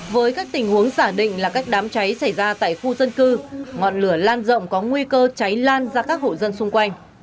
với các tình huống giả định là các đám cháy xảy ra tại khu dân cư ngọn lửa lan rộng có nguy cơ cháy lan ra các hộ dân xung quanh